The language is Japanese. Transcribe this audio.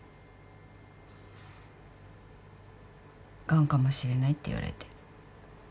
がんかもしれないって言われて。